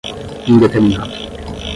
indeterminado